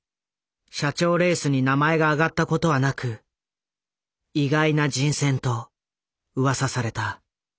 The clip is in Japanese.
社長レースに名前が挙がったことはなく意外な人選とうわさされた。